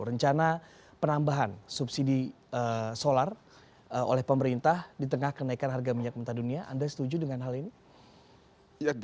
rencana penambahan subsidi solar oleh pemerintah di tengah kenaikan harga minyak mentah dunia anda setuju dengan hal ini